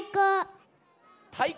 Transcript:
たいこ！